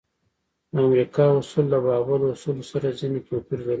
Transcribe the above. د امریکا اصول د بابل اصولو سره ځینې توپیر درلود.